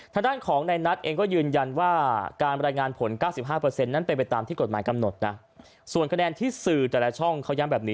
ทางด้านของในนัตเก็บเองก็ยืนยันว่าการบรรยายงานผล๙๕